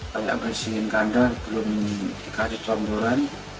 banyak bersihin kandang belum dikasih jomboran